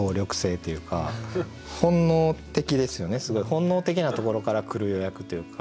本能的なところから来る予約というか。